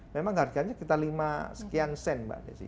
memang harganya sekitar lima sekian sen mbak desi